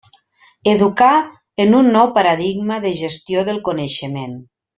Educar en un nou paradigma de gestió del coneixement.